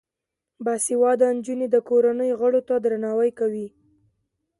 باسواده نجونې د کورنۍ غړو ته درناوی کوي.